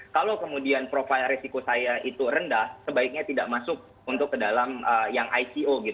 kalau kemudian profil risiko saya itu rendah sebaiknya tidak masuk untuk ke dalam yang ico